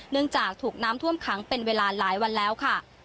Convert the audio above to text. จากถูกน้ำท่วมขังเป็นเวลาหลายวันแล้วค่ะ